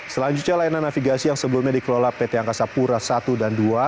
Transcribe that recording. selanjutnya layanan navigasi yang sebelumnya dikelola pt angkasa pura i dan ii